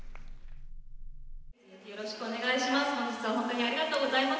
よろしくお願いします。